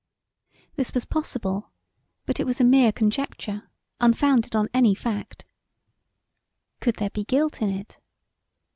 This was possible; but it was a mere conjecture unfounded on any fact. Could there be guilt in it?